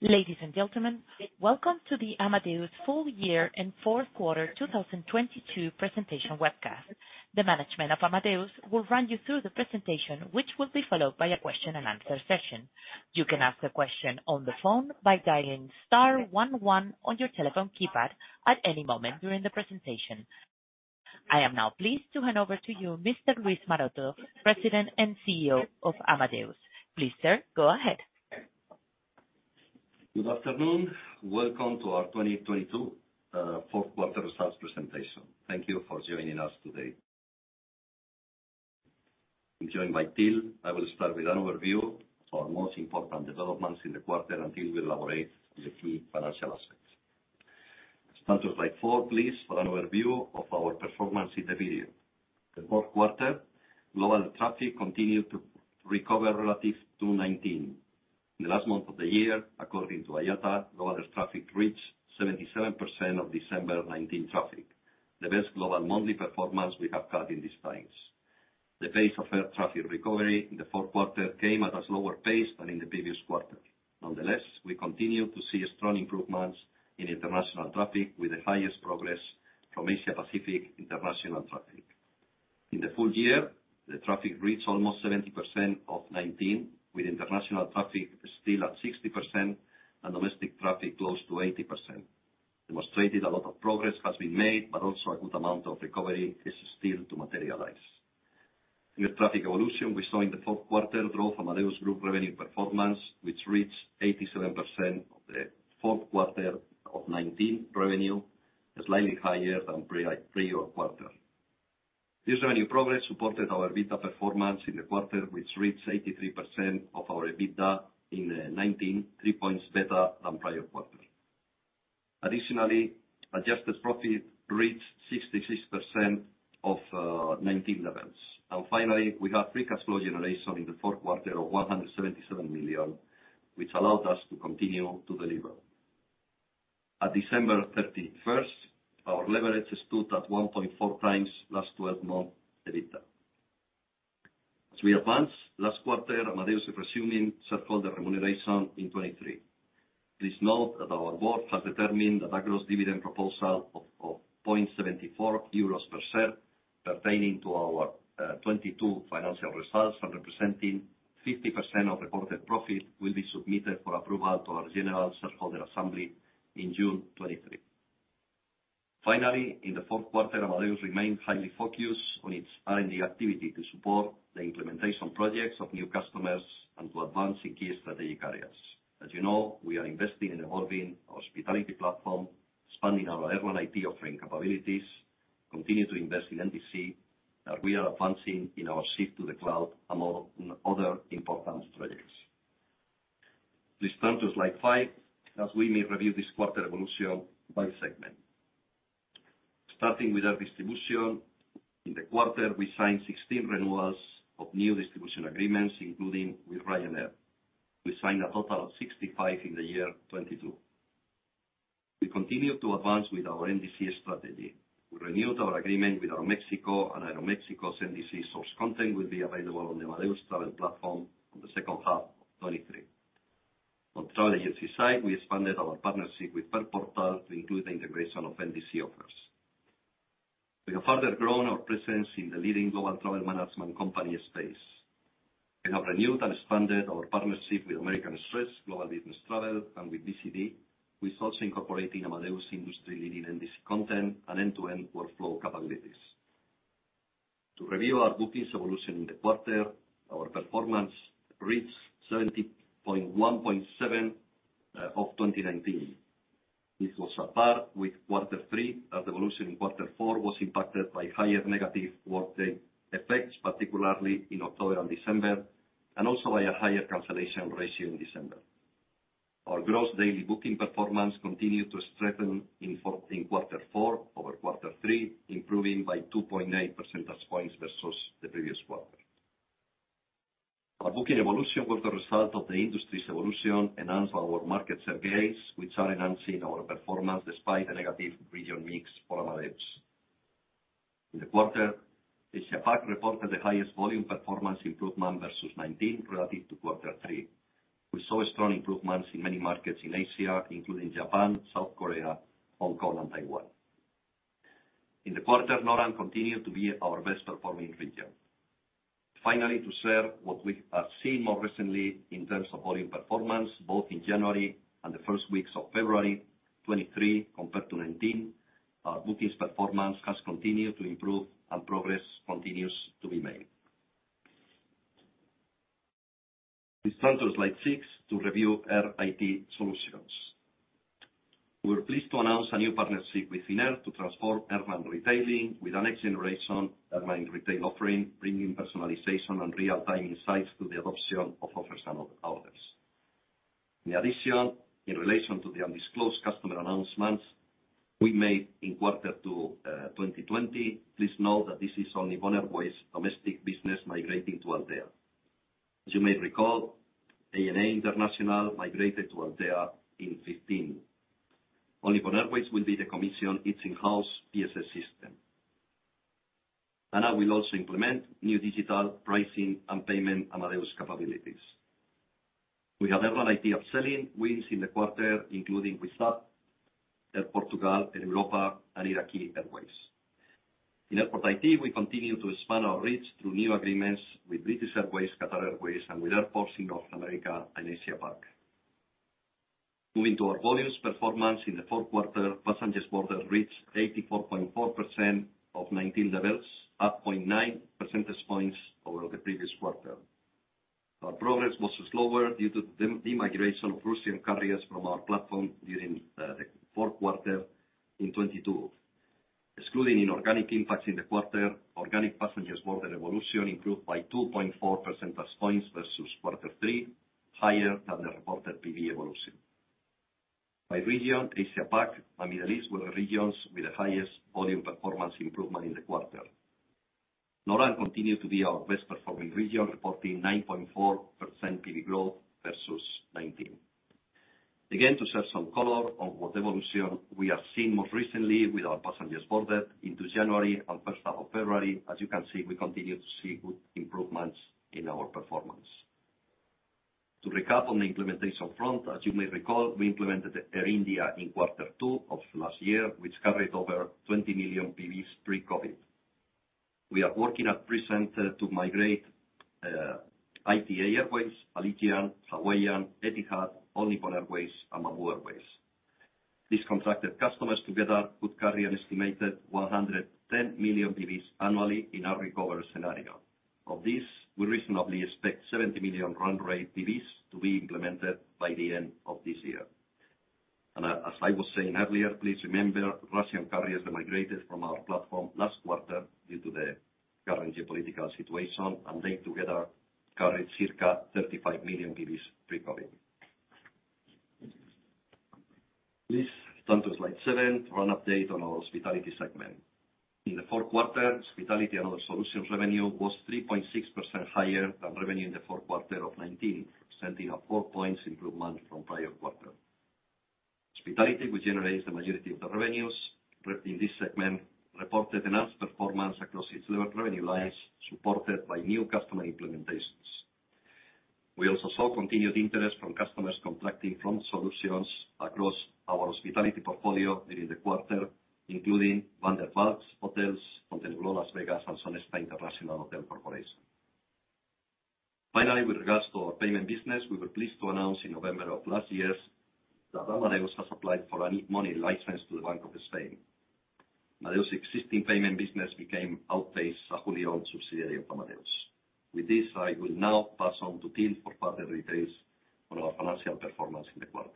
Ladies and gentlemen, welcome to the Amadeus full year and fourth quarter 2022 presentation webcast. The management of Amadeus will run you through the presentation, which will be followed by a question and answer session. You can ask a question on the phone by dialing star one one on your telephone keypad at any moment during the presentation. I am now pleased to hand over to you, Mr. Luis Maroto, President and CEO of Amadeus. Please, sir, go ahead. Good afternoon. Welcome to our 2022 fourth quarter results presentation. Thank you for joining us today. I'm joined by Till. I will start with an overview of our most important developments in the quarter until we elaborate on the key financial aspects. Let's start with slide four, please, for an overview of our performance in the video. The fourth quarter, global traffic continued to recover relative to 2019. In the last month of the year, according to IATA, global traffic reached 77% of December 2019 traffic, the best global monthly performance we have had in these times. The pace of air traffic recovery in the fourth quarter came at a slower pace than in the previous quarter. Nonetheless, we continue to see strong improvements in international traffic, with the highest progress from Asia-Pacific international traffic. In the full year, the traffic reached almost 70% of 2019, with international traffic still at 60% and domestic traffic close to 80%. Demonstrated a lot of progress has been made, but also a good amount of recovery is still to materialize. In the traffic evolution, we saw in the fourth quarter growth Amadeus group revenue performance, which reached 87% of the fourth quarter of 2019 revenue, slightly higher than pre-year quarter. This revenue progress supported our EBITDA performance in the quarter, which reached 83% of our EBITDA in 2019, three points better than prior quarter. Adjusted profit reached 66% of 2019 levels. Finally, we have free cash flow generation in the fourth quarter of 177 million, which allowed us to continue to deliver. At December 31st, our leverage stood at 1.4 times last 12-month EBITDA. As we advance, last quarter, Amadeus is resuming shareholder remuneration in 2023. Please note that our board has determined the back gross dividend proposal of 0.74 euros per share pertaining to our 2022 financial results and representing 50% of reported profit will be submitted for approval to our general shareholder assembly in June 2023. Finally, in the fourth quarter, Amadeus remains highly focused on its R&D activity to support the implementation projects of new customers and to advance in key strategic areas. As you know, we are investing in evolving our hospitality platform, expanding our Airline IT offering capabilities, continue to invest in NDC, and we are advancing in our shift to the cloud, among other important strategies. Please turn to slide five, as we may review this quarter evolution by segment. Starting with our distribution, in the quarter, we signed 16 renewals of new distribution agreements, including with Ryanair. We signed a total of 65 in the year 2022. We continue to advance with our NDC strategy. We renewed our agreement with Aeroméxico, and Aeroméxico's NDC source content will be available on the Amadeus travel platform on the second half of 2023. On travel agency side, we expanded our partnership with Perportal to include the integration of NDC offers. We have further grown our presence in the leading global travel management company space. We have renewed and expanded our partnership with American Express Global Business Travel, and with BCD, with source incorporating Amadeus industry-leading NDC content and end-to-end workflow capabilities. To review our bookings evolution in the quarter, our performance reached 70.17% of 2019. This was at par with quarter three as evolution in quarter four was impacted by higher negative working effects, particularly in October and December, and also by a higher cancellation ratio in December. Our gross daily booking performance continued to strengthen in quarter four over quarter three, improving by 2.8 percentage points versus the previous quarter. Our booking evolution was the result of the industry's evolution enhanced by our market share gains, which are enhancing our performance despite the negative region mix for Amadeus. In the quarter, Asia-Pac reported the highest volume performance improvement versus 19 relative to quarter three. We saw strong improvements in many markets in Asia, including Japan, South Korea, Hong Kong, and Taiwan. In the quarter, LATAM continued to be our best performing region. Finally, to share what we are seeing more recently in terms of volume performance, both in January and the first weeks of February 23 compared to 19, our bookings performance has continued to improve and progress continues to be made. Please turn to slide six to review Air IT Solutions. We're pleased to announce a new partnership with Finnair to transform airline retailing with our next generation airline retail offering, bringing personalization and real-time insights to the adoption of Offer and Order products. In addition, in relation to the undisclosed customer announcements we made in Q2 2020, please note that this is only Finnair's domestic business migrating to Altéa. As you may recall, ANA International migrated to Altéa in 15. Only Finnair will be the commission its in-house PSS system. I will also implement new digital pricing and payment Amadeus capabilities. We have had a number of selling wins in the quarter, including with TAP Air Portugal, Air Europa, and Iraqi Airways. In Airport IT, we continue to expand our reach through new agreements with British Airways, Qatar Airways, and with airports in North America and Asia-Pac. Moving to our volumes performance in the fourth quarter, passengers boarded reached 84.4% of 2019 levels, up 0.9 percentage points over the previous quarter. Our progress was slower due to the demigration of Russian carriers from our platform during the fourth quarter in 2022. Excluding inorganic impacts in the quarter, organic passengers boarded evolution improved by 2.4 percentage points versus quarter three, higher than the reported PBE evolution. By region, Asia-Pac and Middle East were the regions with the highest volume performance improvement in the quarter. LATAM continued to be our best performing region, reporting 9.4% PV growth versus 2019. Again, to share some color on what evolution we have seen most recently with our passengers boarded into January and first half of February. As you can see, we continue to see good improvements in our performance. To recap on the implementation front, as you may recall, we implemented Air India in Q2 of last year, which covered over 20 million PVs pre-COVID. We are working at present to migrate ITA Airways, Allegiant, Hawaiian, Etihad, Olive Airways, and Bamboo Airways. These contracted customers together could carry an estimated 110 million PVs annually in our recovery scenario. Of this, we reasonably expect 70 million run rate PVs to be implemented by the end of this year. As I was saying earlier, please remember Russian carriers were migrated from our platform last quarter due to the current geopolitical situation, and they together carried circa 35 million PVs pre-COVID. Please turn to slide seven for an update on our hospitality segment. In the fourth quarter, hospitality and other solutions revenue was 3.6% higher than revenue in the fourth quarter of 2019, representing a four points improvement from prior quarter. Hospitality, which generates the majority of the revenues, in this segment, reported enhanced performance across its revenue lines, supported by new customer implementations. We also saw continued interest from customers contracting from solutions across our hospitality portfolio during the quarter, including Van der Valk Hotels, Fontainebleau Las Vegas, and Sonesta International Hotels Corporation. Finally, with regards to our payment business, we were pleased to announce in November of last year that Amadeus has applied for a new money license to the Banco de España. Amadeus's existing payment business became Outpayce, a fully owned subsidiary of Amadeus. With this, I will now pass on to Till for further details on our financial performance in the quarter.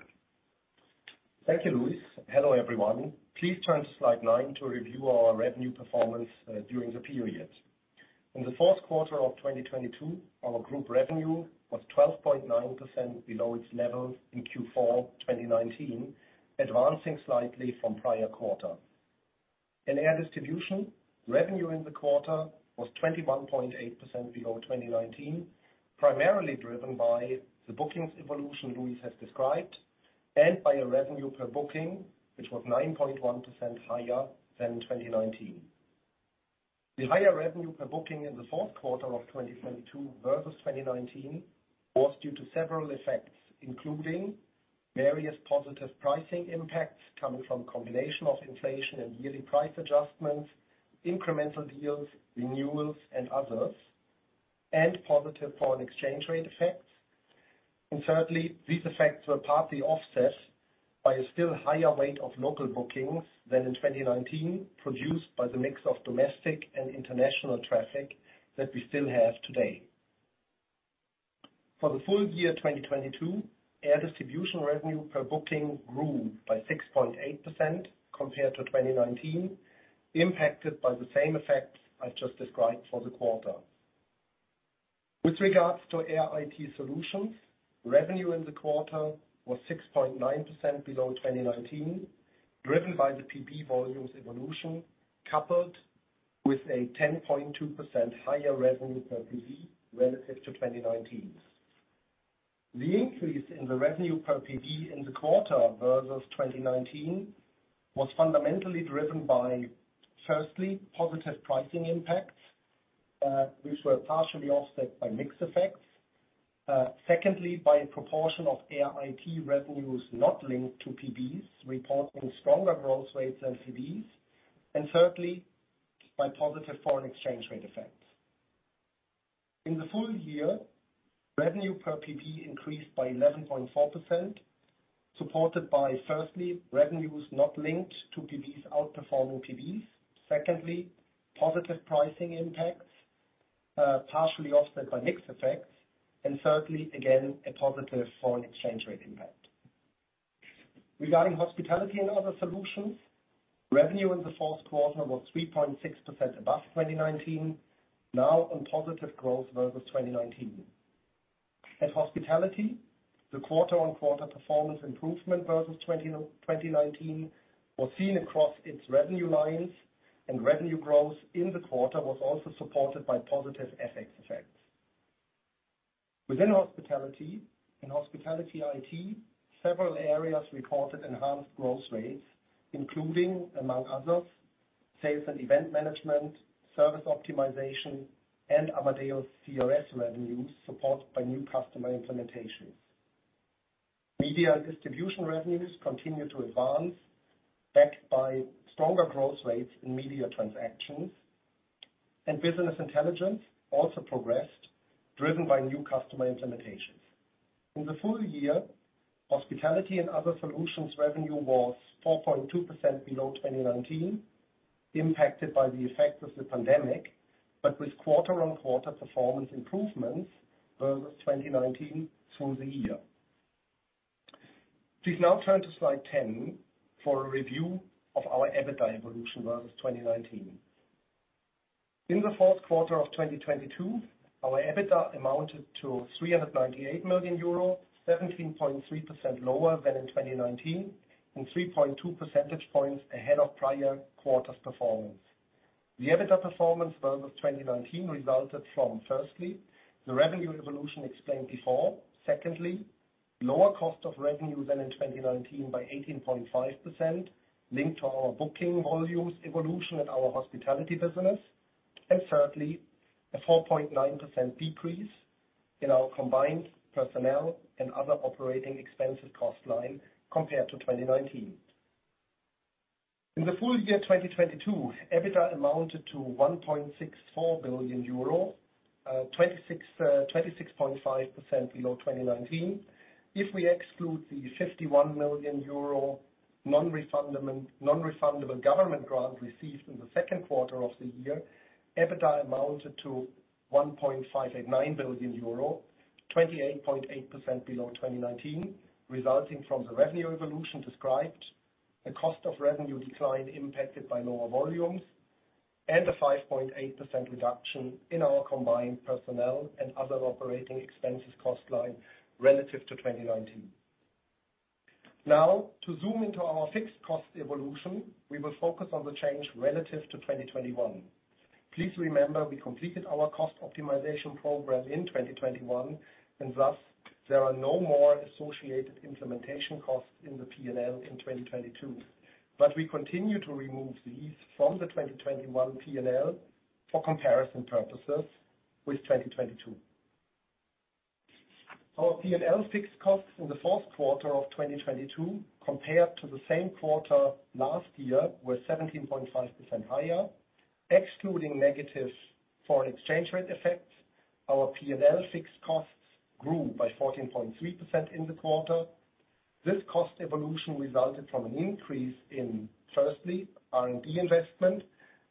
Thank you, Luis. Hello, everyone. Please turn to slide nine to review our revenue performance during the period. In the fourth quarter of 2022, our group revenue was 12.9% below its level in Q4 2019, advancing slightly from prior quarter. In air distribution, revenue in the quarter was 21.8% below 2019, primarily driven by the bookings evolution Luis has described and by a revenue per booking, which was 9.1% higher than 2019. The higher revenue per booking in the fourth quarter of 2022 versus 2019 was due to several effects, including various positive pricing impacts coming from combination of inflation and yearly price adjustments, incremental deals, renewals and others, and positive foreign exchange rate effects. Thirdly, these effects were partly offset by a still higher rate of local bookings than in 2019, produced by the mix of domestic and international traffic that we still have today. For the full year 2022, Air distribution revenue per booking grew by 6.8% compared to 2019, impacted by the same effects I've just described for the quarter. With regards to Air IT Solutions, revenue in the quarter was 6.9% below 2019, driven by the PV volumes evolution, coupled with a 10.2% higher revenue per PV relative to 2019. The increase in the revenue per PV in the quarter versus 2019 was fundamentally driven by, firstly, positive pricing impacts, which were partially offset by mix effects. Secondly, by a proportion of Air IT revenues not linked to PVs, reporting stronger growth rates than PVs. Thirdly, by positive foreign exchange rate effects. In the full year, revenue per PV increased by 11.4%, supported by, firstly, revenues not linked to PVs outperforming PVs. Secondly, positive pricing impacts, partially offset by mix effects. Thirdly, again, a positive foreign exchange rate impact. Regarding hospitality and other solutions, revenue in the fourth quarter was 3.6% above 2019, now on positive growth versus 2019. At hospitality, the quarter-on-quarter performance improvement versus 2019 was seen across its revenue lines. Revenue growth in the quarter was also supported by positive FX effects. Within hospitality, in hospitality IT, several areas reported enhanced growth rates, including among others, sales and event management, service optimization, and Amadeus CRS revenues supported by new customer implementations. Media distribution revenues continue to advance, backed by stronger growth rates in media transactions. Business intelligence also progressed, driven by new customer implementations. In the full year, hospitality and other solutions revenue was 4.2% below 2019, impacted by the effects of the pandemic, but with quarter-on-quarter performance improvements versus 2019 through the year. Please now turn to slide 10 for a review of our EBITDA evolution versus 2019. In the fourth quarter of 2022, our EBITDA amounted to 398 million euro, 17.3% lower than in 2019 and 3.2 percentage points ahead of prior quarter's performance. The EBITDA performance versus 2019 resulted from, firstly, the revenue evolution explained before. Secondly, lower cost of revenue than in 2019 by 18.5% linked to our booking volumes evolution in our hospitality business. Thirdly, a 4.9% decrease in our combined personnel and other OpEx cost line compared to 2019. In the full year 2022, EBITDA amounted to 1.64 billion euro, 26.5% below 2019. If we exclude the 51 million euro non-refundable government grant received in the second quarter of the year, EBITDA amounted to 1.589 billion euro, 28.8% below 2019, resulting from the revenue evolution described, the cost of revenue decline impacted by lower volumes, and a 5.8% reduction in our combined personnel and other operating expenses cost line relative to 2019. Now to zoom into our fixed cost evolution, we will focus on the change relative to 2021. Please remember we completed our cost optimization program in 2021, and thus there are no more associated implementation costs in the P&L in 2022. We continue to remove these from the 2021 P&L for comparison purposes with 2022. Our P&L fixed costs in the fourth quarter of 2022 compared to the same quarter last year were 17.5% higher. Excluding negative foreign exchange rate effects, our P&L fixed costs grew by 14.3% in the quarter. This cost evolution resulted from an increase in, firstly, R&D investment,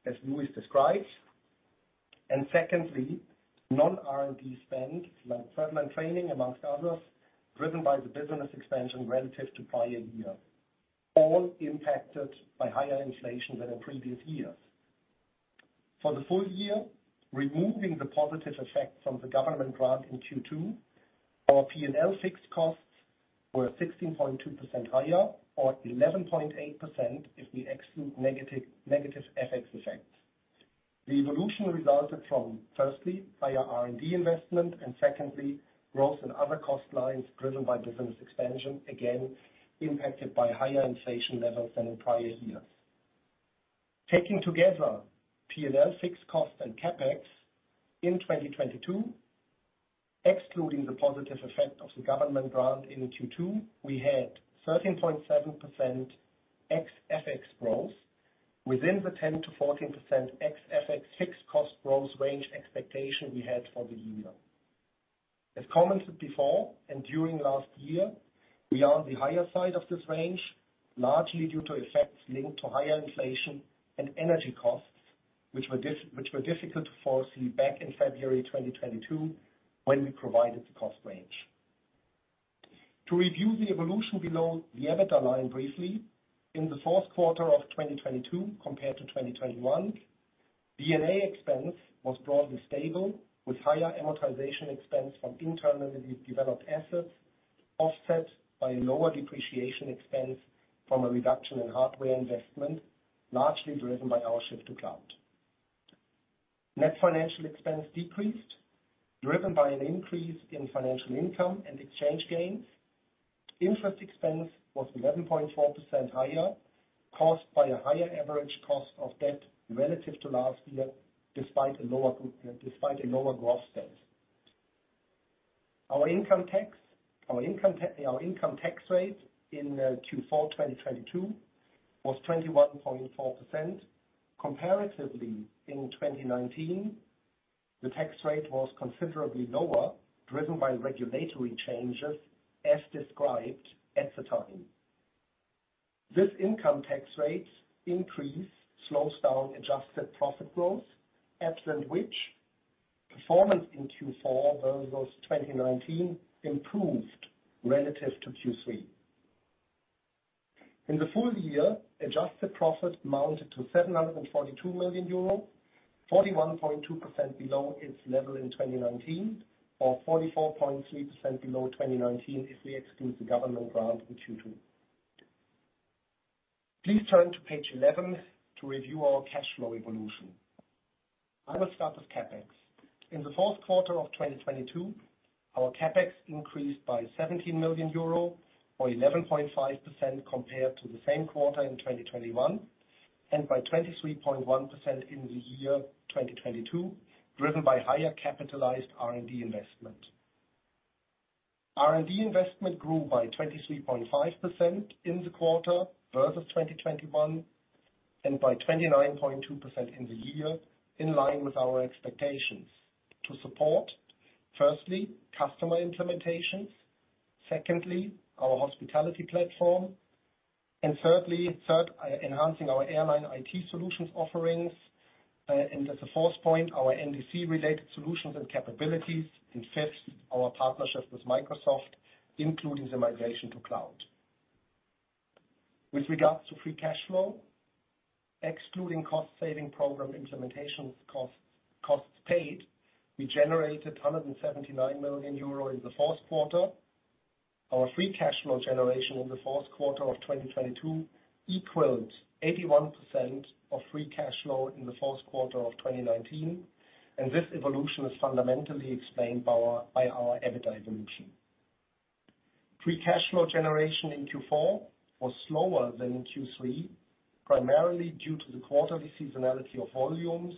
as Luis described. Secondly, non-R&D spend, like travel and training amongst others, driven by the business expansion relative to prior year, all impacted by higher inflation than in previous years. For the full year, removing the positive effects from the government grant in Q2, our P&L fixed costs were 16.2% higher or 11.8% if we exclude negative FX effects. The evolution resulted from, firstly, higher R&D investment and secondly, growth in other cost lines driven by business expansion, again impacted by higher inflation levels than in prior years. Taking together P&L fixed cost and CapEx in 2022, excluding the positive effect of the government grant in Q2, we had 13.7% ex FX growth within the 10%-14% ex FX fixed cost growth range expectation we had for the year. As commented before and during last year, we are on the higher side of this range, largely due to effects linked to higher inflation and energy costs, which were difficult to foresee back in February 2022, when we provided the cost range. To review the evolution below the EBITDA line briefly, in the fourth quarter of 2022 compared to 2021, D&A expense was broadly stable with higher amortization expense from internally developed assets offset by lower depreciation expense from a reduction in hardware investment, largely driven by our shift to cloud. Net financial expense decreased, driven by an increase in financial income and exchange gains. Interest expense was 11.4% higher, caused by a higher average cost of debt relative to last year despite a lower dovish stance. Our income tax rate in Q4 2022 was 21.4%. Comparatively, in 2019, the tax rate was considerably lower, driven by regulatory changes as described at the time. This income tax rate increase slows down adjusted profit growth, absent which performance in Q4 versus 2019 improved relative to Q3. In the full year, adjusted profit amounted to 742 million euro, 41.2% below its level in 2019 or 44.3% below 2019 if we exclude the government grant in Q2. Please turn to page 11 to review our cash flow evolution. I will start with CapEx. In the fourth quarter of 2022, our CapEx increased by 17 million euro or 11.5% compared to the same quarter in 2021, and by 23.1% in the year 2022, driven by higher capitalized R&D investment. R&D investment grew by 23.5% in the quarter versus 2021, and by 29.2% in the year, in line with our expectations to support, firstly, customer implementations. Secondly, our hospitality platform. Third, enhancing our airline IT solutions offerings. As a fourth point, our NDC-related solutions and capabilities. Fifth, our partnerships with Microsoft, including the migration to cloud. With regards to free cash flow, excluding cost saving program implementations costs paid, we generated 179 million euro in the fourth quarter. Our free cash flow generation in the fourth quarter of 2022 equals 81% of free cash flow in the fourth quarter of 2019. This evolution is fundamentally explained by our EBITDA evolution. Free cash flow generation in Q4 was slower than in Q3, primarily due to the quarterly seasonality of volumes,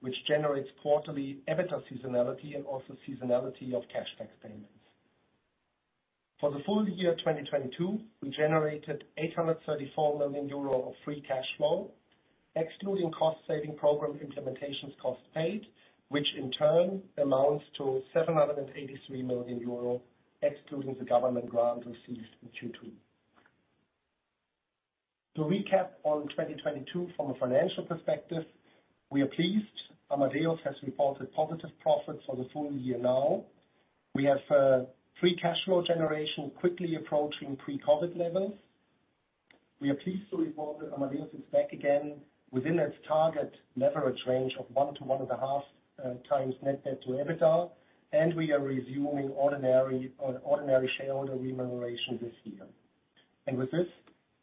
which generates quarterly EBITDA seasonality and also seasonality of cash backs payments. For the full year 2022, we generated 834 million euro of free cash flow, excluding cost saving program implementations costs paid, which in turn amounts to 783 million euro excluding the government grant received in Q2. To recap on 2022 from a financial perspective, we are pleased Amadeus has reported positive profits for the full year now. We have free cash flow generation quickly approaching pre-COVID levels. We are pleased to report that Amadeus is back again within its target leverage range of one to 1.5 times net debt to EBITDA, and we are resuming ordinary shareholder remuneration this year. With this,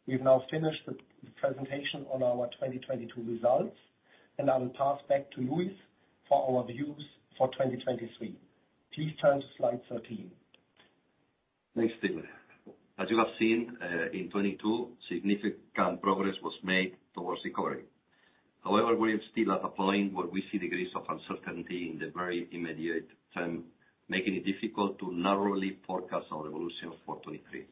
we've now finished the presentation on our 2022 results, and I will pass back to Luis for our views for 2023. Please turn to slide 13. Thanks, Till. As you have seen, in 2022, significant progress was made towards recovery. We are still at a point where we see degrees of uncertainty in the very immediate term, making it difficult to narrowly forecast our evolution for 2023.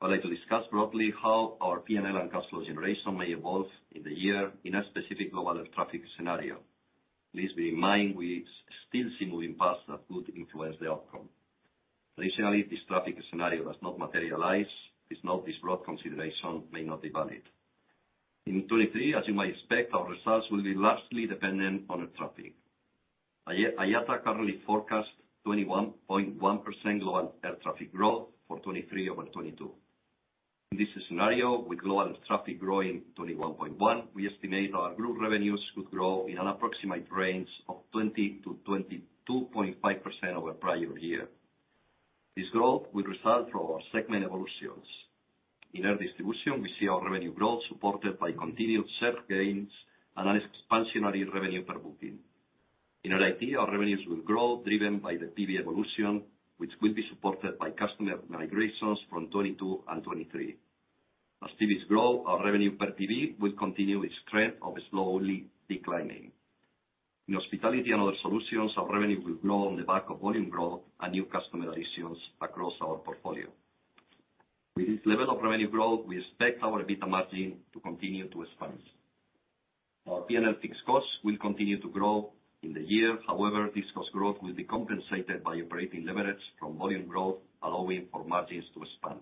I'd like to discuss broadly how our P&L and cash flow generation may evolve in the year in a specific global air traffic scenario. Please bear in mind, we still see moving parts that could influence the outcome. Recently, this traffic scenario has not materialized. This note, this broad consideration may not be valid. 2023, as you might expect, our results will be largely dependent on air traffic. IATA currently forecast 21.1% global air traffic growth for 2023 over 2022. In this scenario, with global air traffic growing 21.1, we estimate our group revenues could grow in an approximate range of 20%-22.5% over prior year. This growth will result from our segment evolutions. In air distribution, we see our revenue growth supported by continued search gains and an expansionary revenue per booking. In our IT, our revenues will grow driven by the PB evolution, which will be supported by customer migrations from 2022 and 2023. As PBs grow, our revenue per PB will continue its trend of slowly declining. In hospitality and other solutions, our revenue will grow on the back of volume growth and new customer additions across our portfolio. With this level of revenue growth, we expect our EBITDA margin to continue to expand. Our P&L fixed costs will continue to grow in the year. This cost growth will be compensated by operating leverage from volume growth, allowing for margins to expand.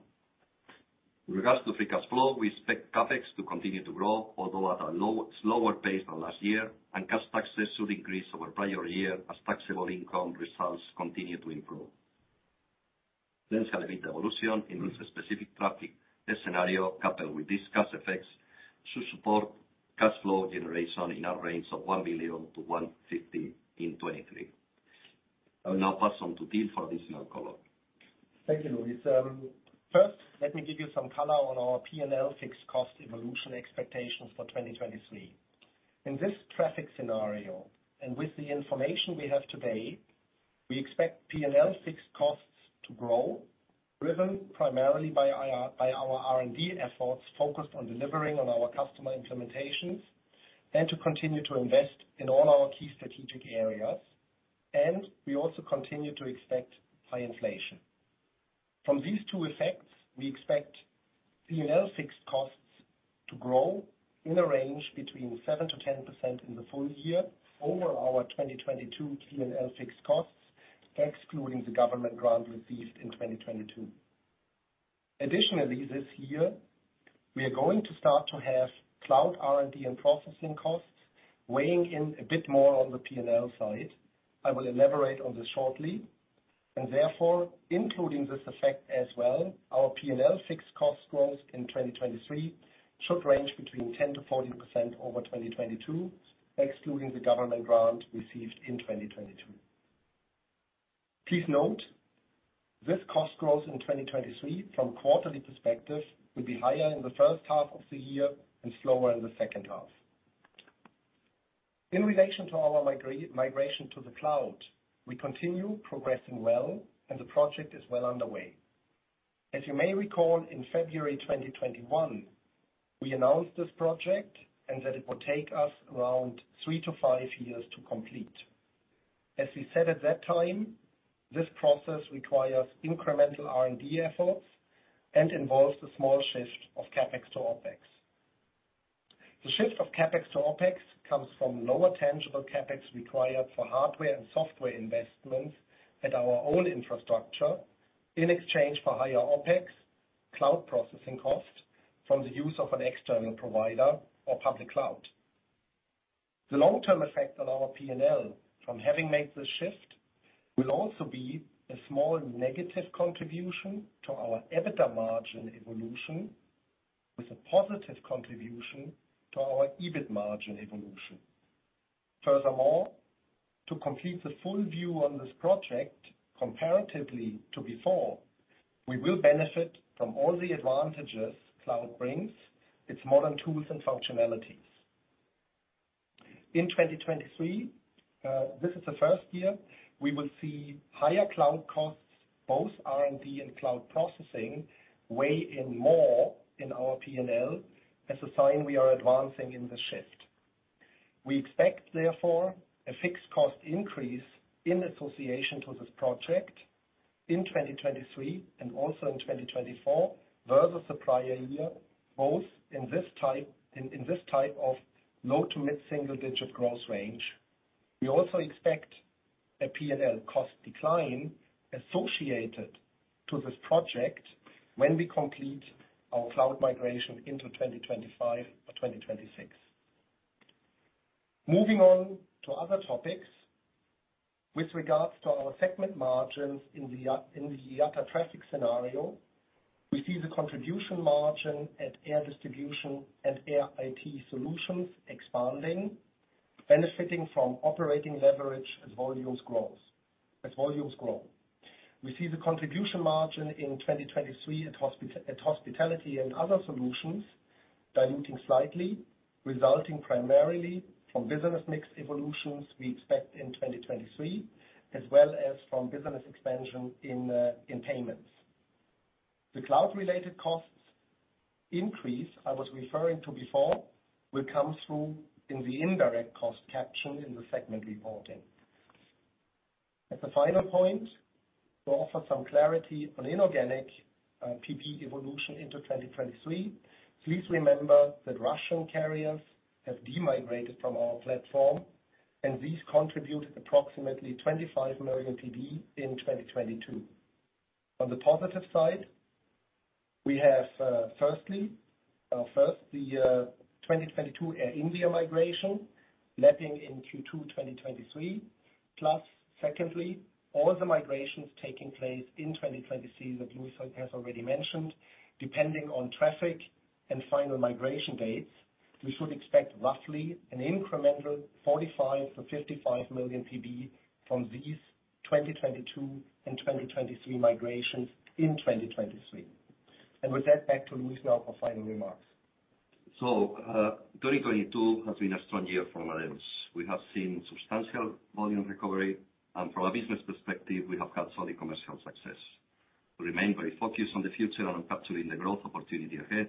In regards to free cash flow, we expect CapEx to continue to grow, although at a slower pace than last year, and cash taxes should increase over prior year as taxable income results continue to improve. This EBITDA evolution in this specific traffic scenario, coupled with these CapEx effects, should support cash flow generation in a range of 1 billion-1.5 billion in 2023. I will now pass on to Till for additional color. Thank you, Luis. First, let me give you some color on our P&L fixed cost evolution expectations for 2023. In this traffic scenario, and with the information we have today, we expect P&L fixed costs to grow, driven primarily by our R&D efforts focused on delivering on our customer implementations and to continue to invest in all our key strategic areas. We also continue to expect high inflation. From these two effects, we expect P&L fixed costs to grow in a range between 7%-10% in the full year over our 2022 P&L fixed costs, excluding the government grant received in 2022. Additionally, this year, we are going to start to have cloud R&D and processing costs weighing in a bit more on the P&L side. I will elaborate on this shortly, therefore, including this effect as well, our P&L fixed cost growth in 2023 should range between 10%-14% over 2022, excluding the government grant received in 2022. Please note this cost growth in 2023 from a quarterly perspective will be higher in the first half of the year and slower in the second half. In relation to our migration to the cloud, we continue progressing well, and the project is well underway. As you may recall, in February 2021, we announced this project and that it would take us around three-five years to complete. As we said at that time, this process requires incremental R&D efforts and involves a small shift of CapEx to OpEx. The shift of CapEx to OpEx comes from lower tangible CapEx required for hardware and software investments at our own infrastructure in exchange for higher OpEx cloud processing costs from the use of an external provider or public cloud. The long-term effect on our P&L from having made this shift will also be a small negative contribution to our EBITDA margin evolution, with a positive contribution to our EBIT margin evolution. Furthermore, to complete the full view on this project comparatively to before, we will benefit from all the advantages cloud brings, its modern tools and functionalities. In 2023, this is the first year we will see higher cloud costs, both R&D and cloud processing, weigh in more in our P&L as a sign we are advancing in the shift. We expect, therefore, a fixed cost increase in association to this project in 2023 and also in 2024 versus the prior year, both in this type of low to mid-single digit growth range. We also expect a P&L cost decline associated to this project when we complete our cloud migration into 2025 or 2026. Moving on to other topics. With regards to our segment margins in the IATA traffic scenario, we see the contribution margin at air distribution and air IT solutions expanding, benefiting from operating leverage as volumes grow. We see the contribution margin in 2023 at hospitality and other solutions diluting slightly, resulting primarily from business mix evolutions we expect in 2023, as well as from business expansion in payments. The cloud related costs increase I was referring to before will come through in the indirect cost caption in the segment reporting. As a final point, to offer some clarity on inorganic PB evolution into 2023, please remember that Russian carriers have demigrated from our platform and these contributed approximately 25 million PB in 2022. On the positive side, we have firstly, first the 2022 Air India migration lapping in Q2 2023. Plus secondly, all the migrations taking place in 2023 that Luis has already mentioned. Depending on traffic and final migration dates, we should expect roughly an incremental 45-55 million PB from these 2022 and 2023 migrations in 2023. With that, back to Luis now for final remarks. 2022 has been a strong year for Amadeus. We have seen substantial volume recovery and from a business perspective, we have had solid commercial success. We remain very focused on the future and on capturing the growth opportunity ahead.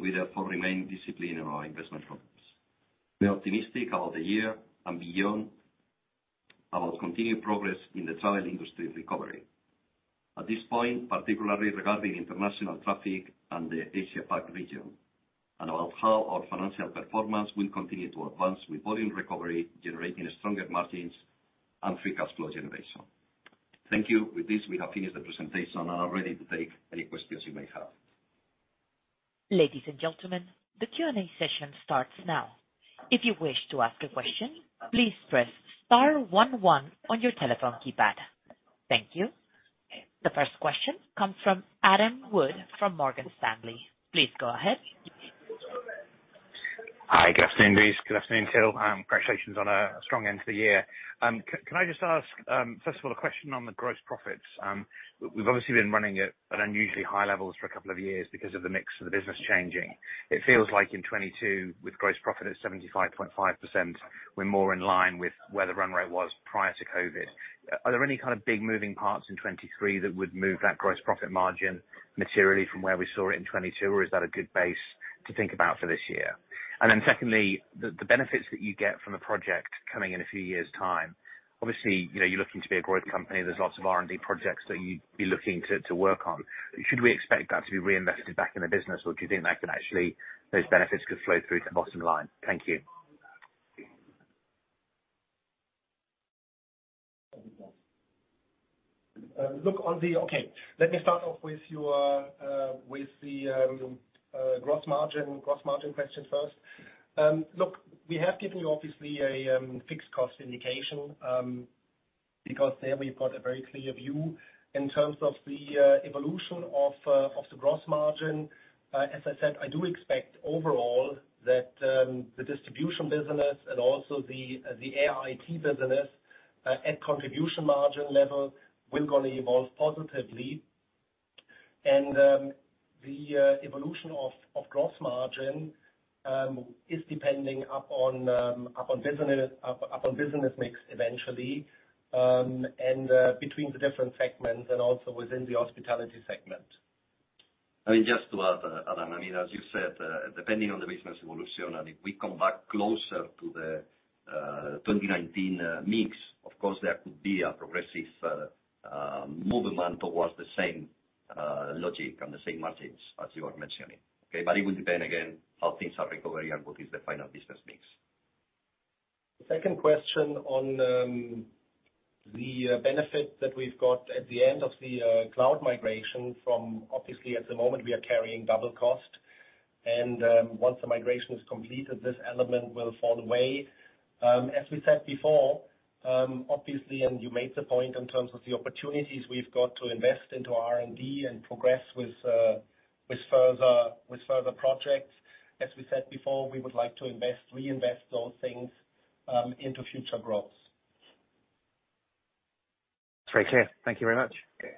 We therefore remain disciplined in our investment programs. We are optimistic about the year and beyond about continued progress in the travel industry recovery. At this point, particularly regarding international traffic and the Asia Pac region, and about how our financial performance will continue to advance with volume recovery, generating stronger margins and free cash flow generation. Thank you. With this, we have finished the presentation and are ready to take any questions you may have. Ladies and gentlemen, the Q&A session starts now. If you wish to ask a question, please press star one one on your telephone keypad. Thank you. The first question comes from Adam Wood from Morgan Stanley. Please go ahead. Hi. Good afternoon, Luis. Good afternoon, Till. Congratulations on a strong end to the year. Can I just ask, first of all, a question on the gross profits? We've obviously been running at unusually high levels for a couple of years because of the mix of the business changing. It feels like in 2022, with gross profit at 75.5%, we're more in line with where the run rate was prior to COVID. Are there any kind of big moving parts in 2023 that would move that gross profit margin materially from where we saw it in 2022? Or is that a good base to think about for this year? Secondly, the benefits that you get from the project coming in a few years' time. Obviously, you know, you're looking to be a growth company. There's lots of R&D projects that you'd be looking to work on. Should we expect that to be reinvested back in the business, or do you think that could actually, those benefits could flow through to the bottom line? Thank you. Okay, let me start off with your, with the gross margin question first. We have given you obviously a fixed cost indication, because there we've got a very clear view in terms of the evolution of the gross margin. As I said, I do expect overall that the distribution business and also the Air IT business, at contribution margin level, will evolve positively. The evolution of gross margin, is depending upon business mix eventually, and, between the different segments and also within the hospitality segment. I mean, just to add, Adam, I mean, as you said, depending on the business evolution, and if we come back closer to the 2019 mix, of course, there could be a progressive movement towards the same logic and the same margins as you are mentioning. Okay. It will depend again, how things are recovering and what is the final business mix. The second question on the benefit that we've got at the end of the cloud migration from obviously at the moment we are carrying double cost and once the migration is completed, this element will fall away. As we said before, obviously, and you made the point in terms of the opportunities we've got to invest into R&D and progress with further projects. As we said before, we would like to invest, reinvest those things into future growth. It's very clear. Thank you very much. Okay.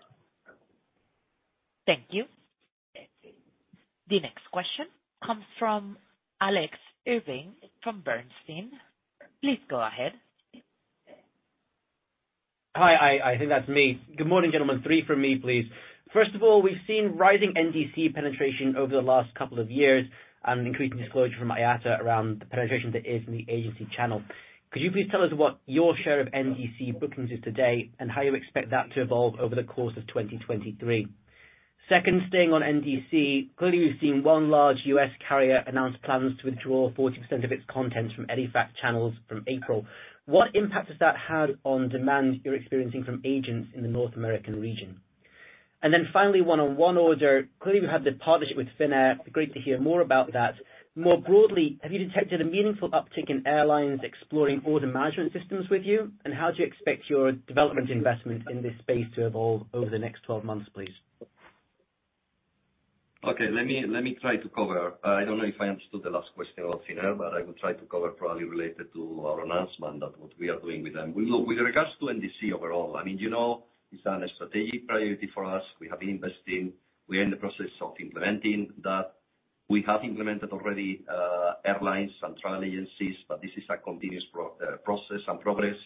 Thank you. The next question comes from Alex Irving from Bernstein. Please go ahead. Hi. I think that's me. Good morning, gentlemen. three from me, please. First of all, we've seen rising NDC penetration over the last couple of years and increasing disclosure from IATA around the penetration that is in the agency channel. Could you please tell us what your share of NDC bookings is today and how you expect that to evolve over the course of 2023? Second, staying on NDC, clearly we've seen one large U.S. carrier announce plans to withdraw 40% of its content from EDIFACT channels from April. What impact has that had on demand you're experiencing from agents in the North American region? Finally, ONE on ONE Order. Clearly you have the partnership with Finnair. Great to hear more about that. More broadly, have you detected a meaningful uptick in airlines exploring order management systems with you? How do you expect your development investment in this space to evolve over the next 12 months, please? Okay. Let me try to cover. I don't know if I understood the last question of Finnair, but I will try to cover probably related to our announcement of what we are doing with them. Look, with regards to NDC overall, I mean, you know it's an strategic priority for us. We have been investing. We are in the process of implementing that. We have implemented already airlines and travel agencies, but this is a continuous process and progress.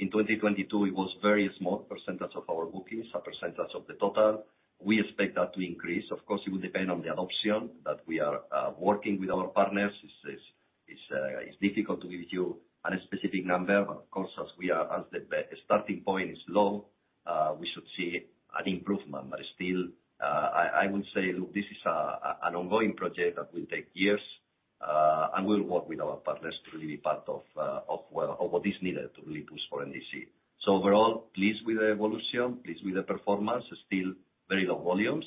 In 2022, it was very small % of our bookings, a % of the total. We expect that to increase. Of course, it will depend on the adoption that we are working with our partners. It's difficult to give you an specific number. Of course, as we are, as the starting point is low, we should see an improvement. Still, I would say, look, this is an ongoing project that will take years, and we'll work with our partners to really be part of what is needed to really push for NDC. So overall, pleased with the evolution, pleased with the performance. Still very low volumes.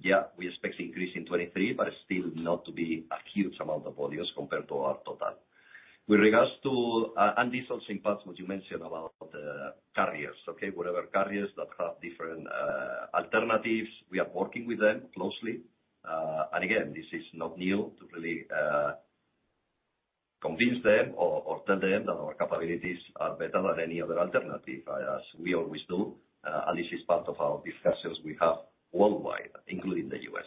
Yeah, we expect increase in 23, but still not to be a huge amount of volumes compared to our total. With regards to, and this also impacts what you mentioned about carriers, okay? Whatever carriers that have different alternatives, we are working with them closely. Again, this is not new to really convince them or tell them that our capabilities are better than any other alternative, as we always do. This is part of our discussions we have worldwide, including the U.S.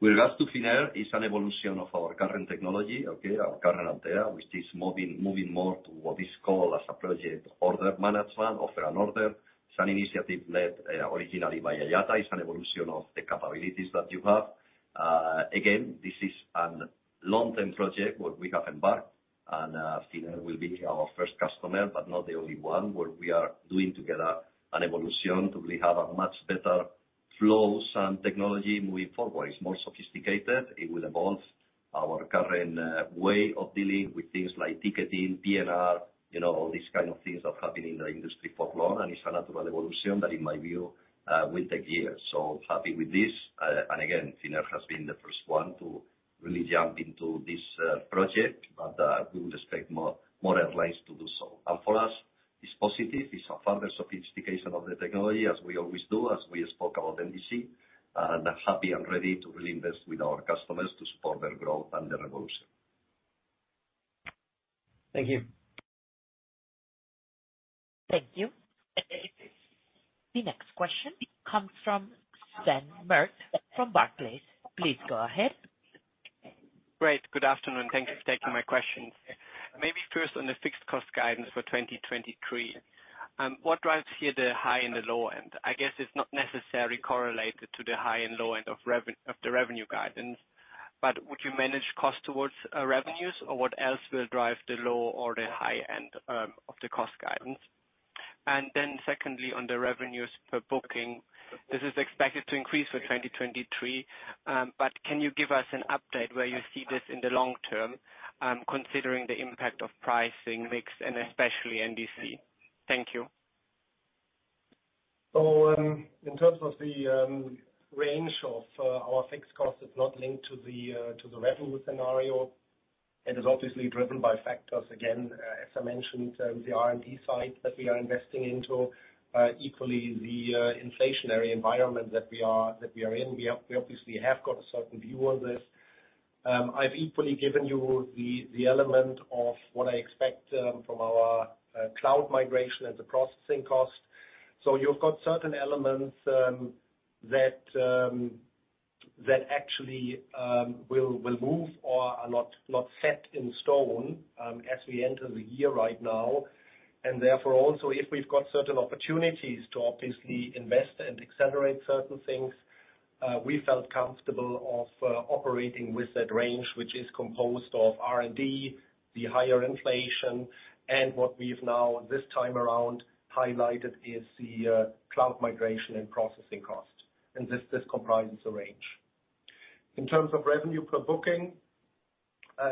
With regards to Finnair, it's an evolution of our current technology, okay? Our current Altéa, which is moving more to what is called as a project order management, Offer and Order. It's an initiative led originally by IATA. It's an evolution of the capabilities that you have. Again, this is an long-term project where we have embarked and, Finnair will be our first customer, but not the only one, where we are doing together an evolution to really have a much better flows and technology moving forward. It's more sophisticated. It will evolve our current way of dealing with things like ticketing, PNR, you know, all these kind of things that happen in the industry for long. It's a natural evolution. In my view, will take years. Happy with this. Again, Finnair has been the first one to really jump into this project, we would expect more airlines to do so. For us, it's positive. It's a further sophistication of the technology as we always do, as we spoke about NDC, and happy and ready to really invest with our customers to support their growth and their evolution. Thank you. Thank you. The next question comes from Sven Merkt from Barclays. Please go ahead. Great. Good afternoon. Thank you for taking my questions. Maybe first on the fixed cost guidance for 2023, what drives here the high and the low end? I guess it's not necessarily correlated to the high and low end of the revenue guidance, but would you manage cost towards revenues, or what else will drive the low or the high end of the cost guidance? Secondly, on the revenues per booking, this is expected to increase for 2023, but can you give us an update where you see this in the long term, considering the impact of pricing mix and especially NDC? Thank you. In terms of the range of our fixed cost, it's not linked to the to the revenue scenario. It is obviously driven by factors, again, as I mentioned, the R&D side that we are investing into, equally the inflationary environment that we are, that we are in. We obviously have got a certain view on this. I've equally given you the element of what I expect from our cloud migration and the processing cost. You've got certain elements that actually will move or are not set in stone as we enter the year right now. Therefore, also if we've got certain opportunities to obviously invest and accelerate certain things, we felt comfortable of operating with that range, which is composed of R&D, the higher inflation, and what we've now this time around highlighted is the cloud migration and processing cost. This comprises the range. In terms of revenue per booking,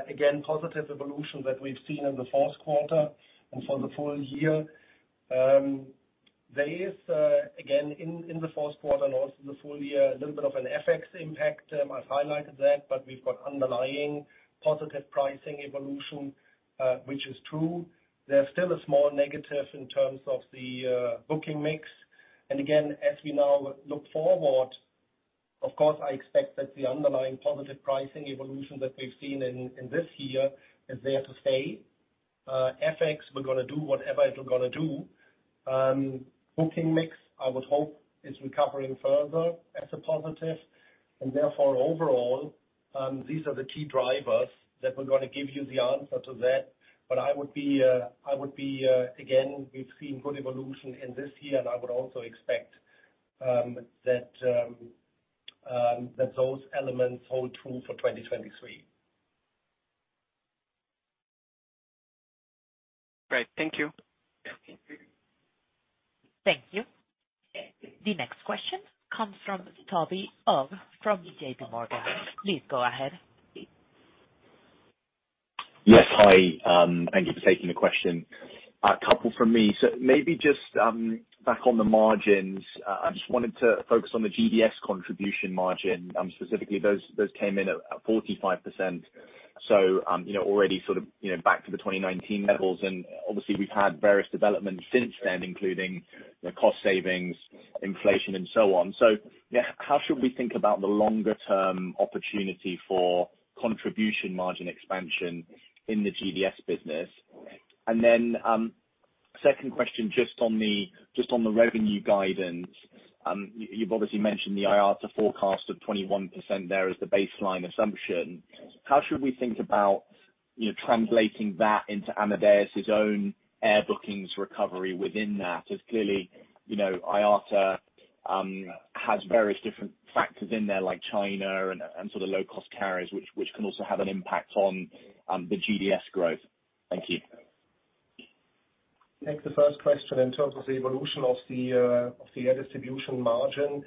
again, positive evolution that we've seen in the fourth quarter and for the full year. There is again in the fourth quarter and also the full year, a little bit of an FX impact. I've highlighted that, we've got underlying positive pricing evolution, which is true. There's still a small negative in terms of the booking mix. Again, as we now look forward, of course, I expect that the underlying positive pricing evolution that we've seen in this year is there to stay. FX, we're gonna do whatever it gonna do. Booking mix, I would hope is recovering further as a positive. Therefore, overall, these are the key drivers that were gonna give you the answer to that. I would be, again, we've seen good evolution in this year, and I would also expect that those elements hold true for 2023. Great. Thank you. Thank you. The next question comes from Toby Ogg from JPMorgan. Please go ahead. Yes. Hi. Thank you for taking the question. A couple from me. Maybe just back on the margins. I just wanted to focus on the GDS contribution margin, specifically those came in at 45%. You know, already sort of, you know, back to the 2019 levels. Obviously, we've had various developments since then, including the cost savings, inflation and so on. How should we think about the longer term opportunity for contribution margin expansion in the GDS business? Second question, just on the revenue guidance. You've obviously mentioned the IATA forecast of 21% there as the baseline assumption. How should we think about, you know, translating that into Amadeus' own air bookings recovery within that? As clearly, you know, IATA, has various different factors in there like China and sort of low-cost carriers, which can also have an impact on the GDS growth. Thank you. Take the first question in terms of the evolution of the air distribution margin.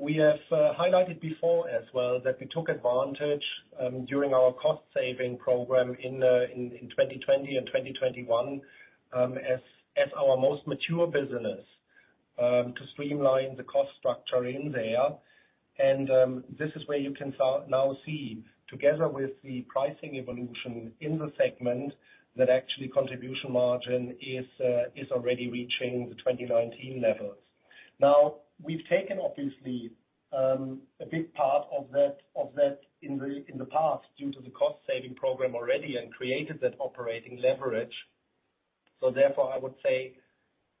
We have highlighted before as well that we took advantage during our cost saving program in 2020 and 2021, as our most mature business, to streamline the cost structure in there. This is where you can now see together with the pricing evolution in the segment, that actually contribution margin is already reaching the 2019 levels. Now, we've taken obviously a big part of that in the past due to the cost saving program already and created that operating leverage. Therefore, I would say,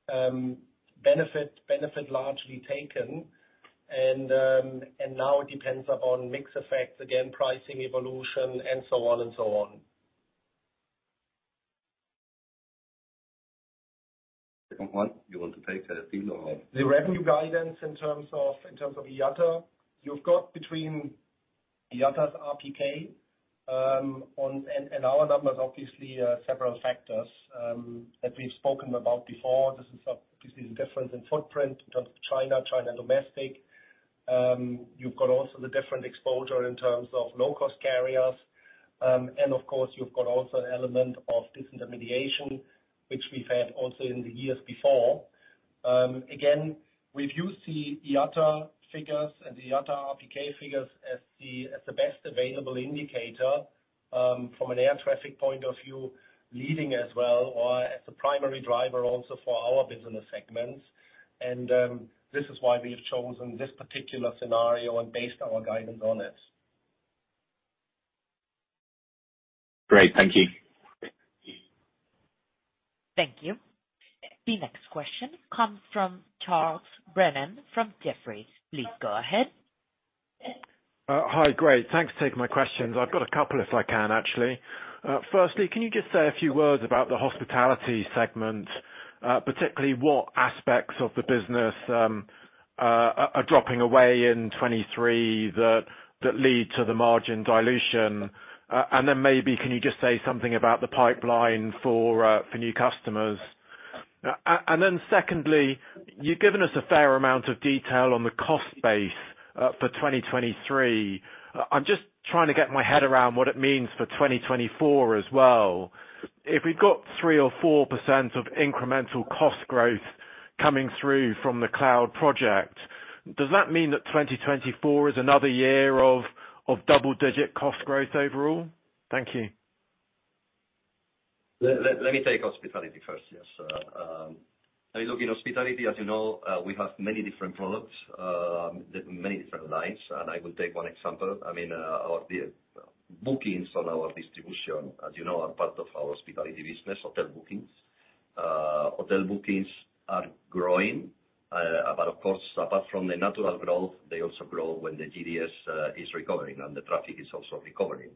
benefit largely taken. Now it depends upon mix effects, again, pricing evolution and so on and so on. Second one you want to take, or? The revenue guidance in terms of IATA, you've got between IATA's RPK, on, and our numbers obviously are several factors that we've spoken about before. This is a difference in footprint in terms of China domestic. You've got also the different exposure in terms of low-cost carriers. And of course, you've got also an element of disintermediation, which we've had also in the years before. Again, we've used the IATA figures and the IATA RPK figures as the best available indicator from an air traffic point of view, leading as well or as the primary driver also for our business segments. This is why we've chosen this particular scenario and based our guidance on it. Great. Thank you. Thank you. The next question comes from Charles Brennan from Jefferies. Please go ahead. Hi. Great. Thanks for taking my questions. I've got a couple if I can, actually. Firstly, can you just say a few words about the hospitality segment, particularly what aspects of the business are dropping away in 2023 that lead to the margin dilution? Then maybe, can you just say something about the pipeline for new customers? Then secondly, you've given us a fair amount of detail on the cost base for 2023. I'm just trying to get my head around what it means for 2024 as well. If we've got 3%-4% of incremental cost growth coming through from the cloud project, does that mean that 2024 is another year of double-digit cost growth overall? Thank you. Let me take hospitality first. Yes. I mean, look, in hospitality, as you know, we have many different products, many different lines. I will take one example. I mean, the bookings on our distribution, as you know, are part of our hospitality business, hotel bookings. Hotel bookings are growing. Of course, apart from the natural growth, they also grow when the GDS is recovering and the traffic is also recovering.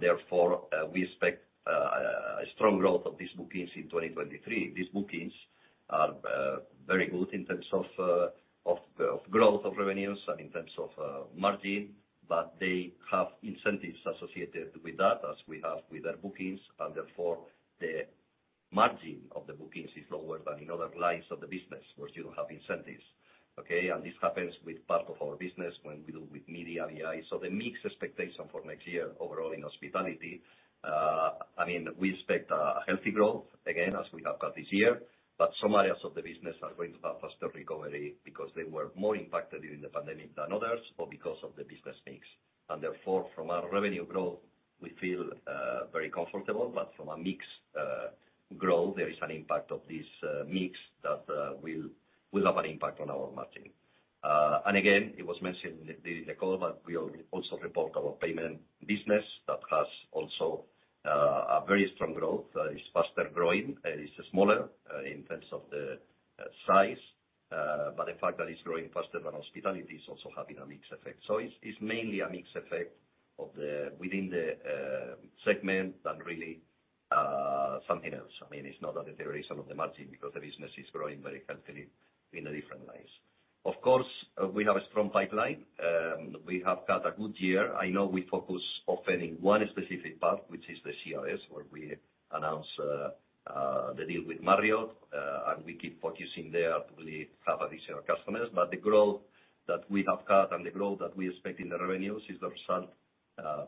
Therefore, we expect a strong growth of these bookings in 2023. These bookings are very good in terms of growth of revenues and in terms of margin. They have incentives associated with that as we have with our bookings, and therefore, the margin of the bookings is lower than in other lines of the business where you have incentives. This happens with part of our business when we deal with media and AI. The mix expectation for next year overall in hospitality, I mean, we expect a healthy growth, again, as we have got this year, but some areas of the business are going to have faster recovery because they were more impacted during the pandemic than others or because of the business mix. Therefore, from our revenue growth, we feel very comfortable. From a mix, growth, there is an impact of this mix that will have an impact on our margin. Again, it was mentioned in the call, but we also report our payment business that has also, a very strong growth. It's faster growing. It's smaller, in terms of the, size, but the fact that it's growing faster than hospitality is also having a mixed effect. It's, it's mainly a mixed effect of the within the segment than really, something else. I mean, it's not that there is some of the margin because the business is growing very healthily in the different lines. Of course, we have a strong pipeline. We have had a good year. I know we focus often in one specific part, which is the CRS, where we announced the deal with Marriott, and we keep focusing there to really have additional customers. But the growth that we have had and the growth that we expect in the revenues is the result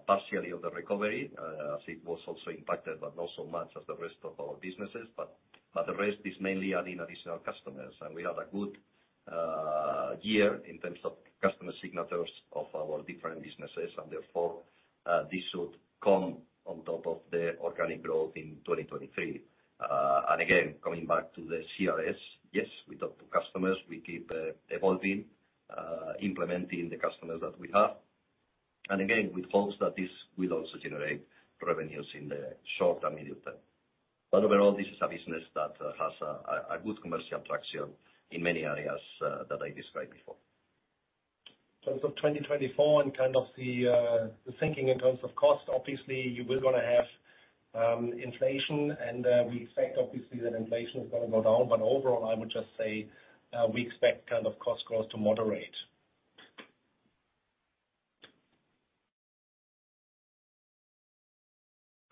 partially of the recovery, as it was also impacted, but not so much as the rest of our businesses. The rest is mainly adding additional customers. We had a good year in terms of customer signatures of our different businesses, and therefore, this should come on top of the organic growth in 2023. Again, coming back to the CRS, yes, we talk to customers. We keep evolving, implementing the customers that we have. Again, we hope that this will also generate revenues in the short and medium term. But overall, this is a business that has a good commercial traction in many areas that I described before. In terms of 2024 and kind of the thinking in terms of cost, obviously you were gonna have inflation and we expect obviously that inflation is gonna go down. Overall, I would just say, we expect kind of cost growth to moderate.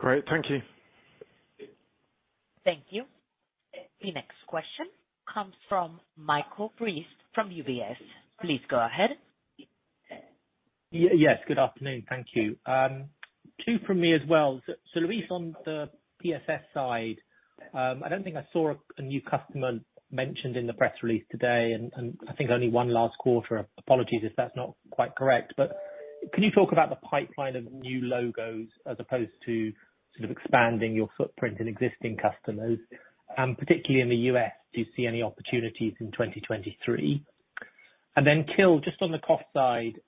Great. Thank you. Thank you. The next question comes from Michael Briest from UBS. Please go ahead. Yes, good afternoon. Thank you. two from me as well. So Luis, on the PSS side, I don't think I saw a new customer mentioned in the press release today, and I think only one last quarter. Apologies if that's not quite correct. Can you talk about the pipeline of new logos as opposed to sort of expanding your footprint in existing customers? Particularly in the U.S., do you see any opportunities in 2023? Till, just on the cost side,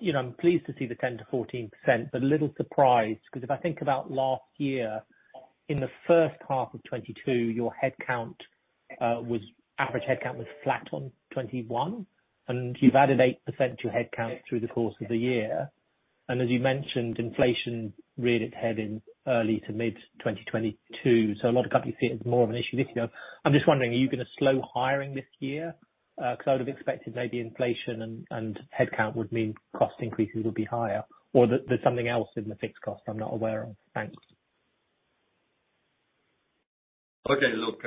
you know, I'm pleased to see the 10%-14%, but a little surprised because if I think about last year, in the first half of 2022, your average headcount was flat on 2021, and you've added 8% to your headcount through the course of the year. As you mentioned, inflation reared its head in early to mid 2022. A lot of companies see it as more of an issue this year. I'm just wondering, are you gonna slow hiring this year? Because I would have expected maybe inflation and headcount would mean cost increases would be higher or that there's something else in the fixed cost I'm not aware of. Thanks. Okay. Look,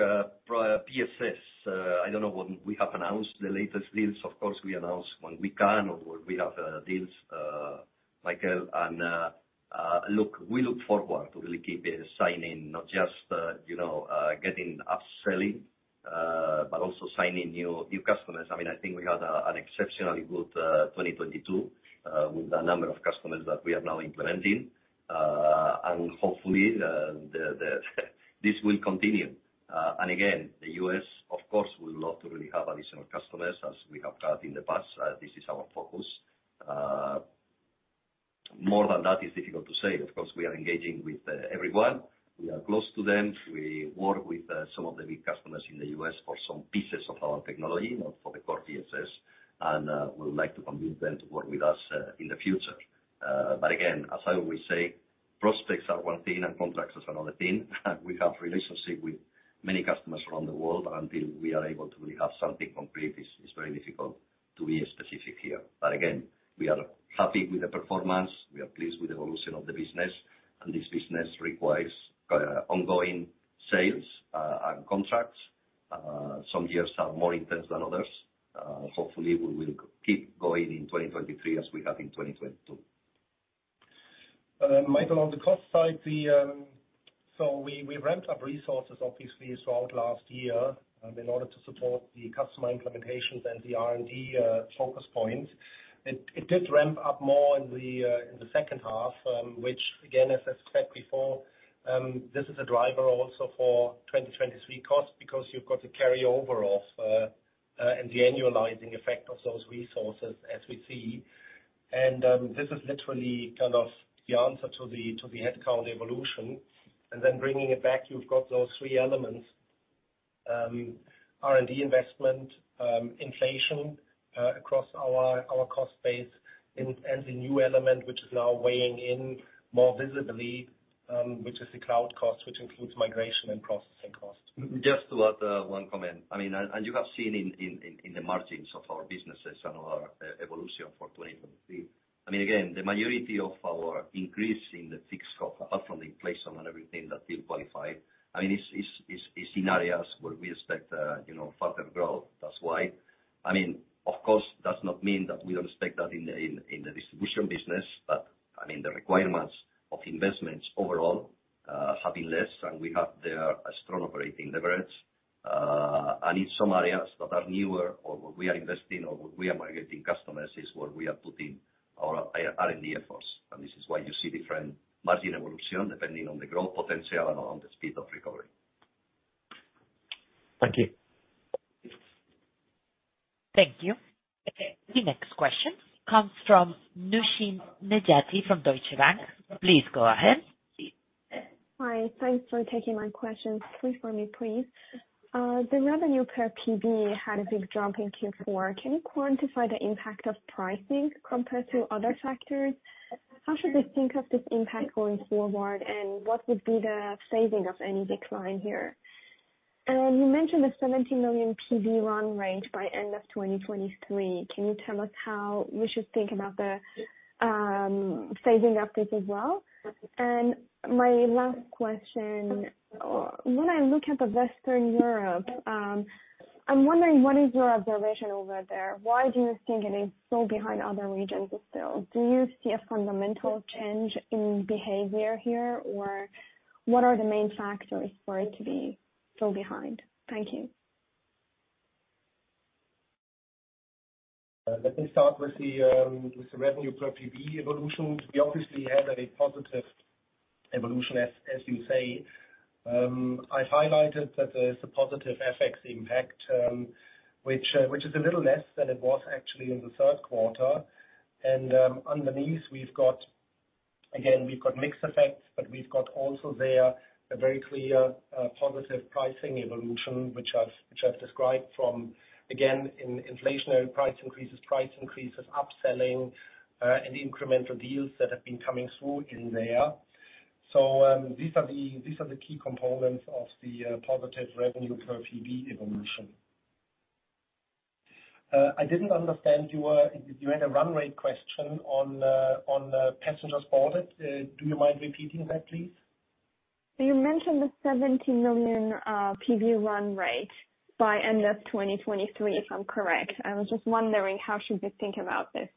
for PSS, I don't know what we have announced. The latest deals, of course, we announce when we can or when we have deals, Michael. Look, we look forward to really keep signing, not just, you know, getting upselling, but also signing new customers. I mean, I think we had an exceptionally good 2022 with the number of customers that we are now implementing. Hopefully, this will continue. Again, the U.S., of course, will love to really have additional customers as we have had in the past. This is our focus. More than that is difficult to say. Of course, we are engaging with everyone. We are close to them. We work with some of the big customers in the U.S. for some pieces of our technology, not for the core PSS. We would like to convince them to work with us in the future. But again, as I always say, prospects are one thing and contracts is another thing. We have relationship with many customers around the world, but until we are able to really have something concrete, it's very difficult to be specific here. Again, we are happy with the performance. We are pleased with the evolution of the business, and this business requires ongoing sales and contracts. Some years are more intense than others. Hopefully we will keep going in 2023 as we have in 2022. Michael, on the cost side, we ramped up resources obviously throughout last year in order to support the customer implementations and the R&D focus points. It did ramp up more in the second half, which again, as I said before. This is a driver also for 2023 costs because you've got the carryover of and the annualizing effect of those resources as we see. This is literally kind of the answer to the headcount evolution. Bringing it back, you've got those three elements, R&D investment, inflation across our cost base and the new element, which is now weighing in more visibly, which is the cloud cost, which includes migration and processing costs. Just to add, one comment. I mean, and you have seen in the margins of our businesses and our e-evolution for 2023. I mean, again, the majority of our increase in the fixed cost, apart from the inflation and everything that Till qualified, I mean, is in areas where we expect, you know, further growth. That's why. I mean, of course, does not mean that we don't expect that in the distribution business. I mean, the requirements of investments overall have been less, and we have there a strong operating leverage. In some areas that are newer or where we are investing or where we are migrating customers is where we are putting our R&D efforts. This is why you see different margin evolution depending on the growth potential and on the speed of recovery. Thank you. Thank you. The next question comes from Nooshin Nejati from Deutsche Bank. Please go ahead. Hi. Thanks for taking my questions. Three for me, please. The revenue per PBE had a big jump in Q4. Can you quantify the impact of pricing compared to other factors? How should we think of this impact going forward, and what would be the saving of any decline here? You mentioned the 70 million PBE run rate by end of 2023. Can you tell us how we should think about the saving of this as well? My last question. When I look at Western Europe, I'm wondering what is your observation over there? Why do you think it is so behind other regions still? Do you see a fundamental change in behavior here, or what are the main factors for it to be so behind? Thank you. Let me start with the revenue per PBE evolution. We obviously had a positive evolution, as you say. I highlighted that there's a positive FX impact, which is a little less than it was actually in the third quarter. Underneath we've got, again, we've got mix effects, but we've got also there a very clear positive pricing evolution, which I've described from, again, in inflationary price increases, upselling, and incremental deals that have been coming through in there. These are the key components of the positive revenue per PBE evolution. I didn't understand you had a run rate question on passengers boarded. Do you mind repeating that, please? You mentioned the 70 million PBE run rate by end of 2023, if I'm correct. I was just wondering how should we think about this?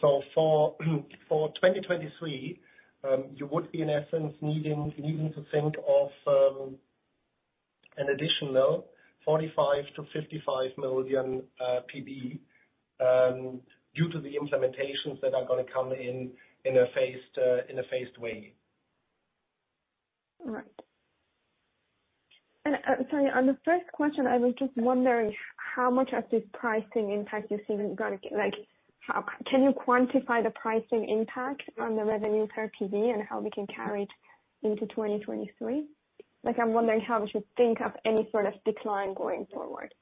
For, for 2023, you would be in essence needing to think of an additional 45 million-55 million PBE due to the implementations that are gonna come in a phased way. All right. Sorry, on the first question, I was just wondering how much of the pricing impact you're seeing. Can you quantify the pricing impact on the revenue per PBE and how we can carry it into 2023? Like, I'm wondering how we should think of any sort of decline going forward.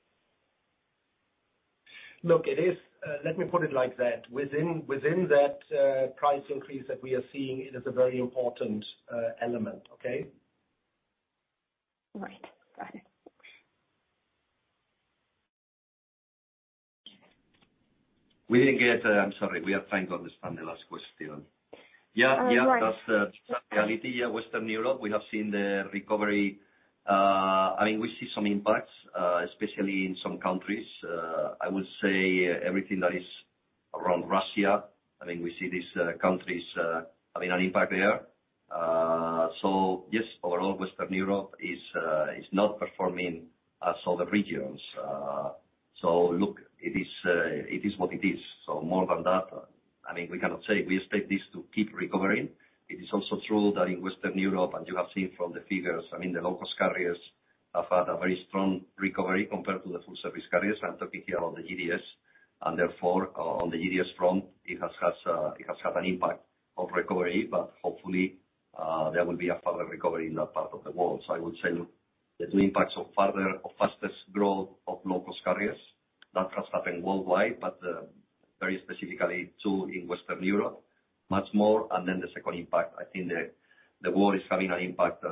Look, it is. Let me put it like that. Within that price increase that we are seeing, it is a very important element. Okay? All right. Got it. I'm sorry. We are trying to understand the last question. Oh, no worries. Yeah, yeah. That's the reality. Western Europe, we have seen the recovery. I mean, we see some impacts, especially in some countries. I would say everything that is around Russia. I mean, we see these countries having an impact there. Yes, overall Western Europe is not performing as other regions. Look, it is what it is. More than that, I mean, we cannot say. We expect this to keep recovering. It is also true that in Western Europe, and you have seen from the figures, I mean, the low-cost carriers have had a very strong recovery compared to the full-service carriers. I'm talking here on the GDS. Therefore, on the GDS front, it has had an impact of recovery. Hopefully, there will be a further recovery in that part of the world. I would say there's an impact of further or fastest growth of low-cost carriers. That has happened worldwide, but, very specifically too in Western Europe, much more. The second impact, I think the war is having an impact,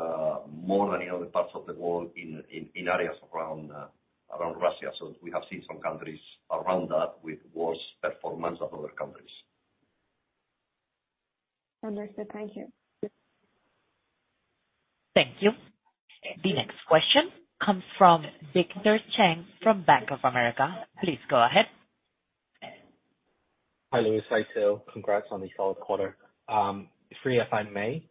more than in other parts of the world in areas around Russia. We have seen some countries around that with worse performance of other countries. Understood. Thank you. Thank you. The next question comes from Victor Cheng from Bank of America. Please go ahead. Hi, Luis. Hi, Till. Congrats on the solid quarter. Three if I may.